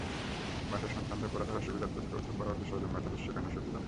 বাসায় সন্তানদের পড়া ধরার সুবিধার্থে সিলেবাসের পড়া অতি সহজ মেথডে শেখানোর সুবিধা।